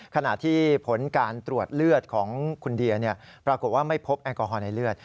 ขณะที่ผลการตรวจเลือดของคุณเดียปรากฏว่าไม่พบแอลกอฮอลในเลือด